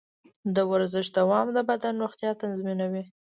د ورزش دوام د بدن روغتیا تضمینوي.